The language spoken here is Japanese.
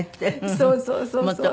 そうそうそうそうそう。